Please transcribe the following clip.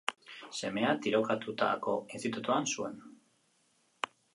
Semea tirokatutako institutuan zuen.